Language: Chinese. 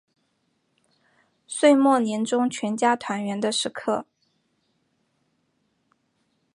岁末年终全家团圆的时刻